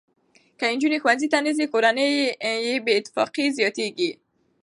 که نجونې ښوونځي ته نه ځي، کورني بې اتفاقي زیاتېږي.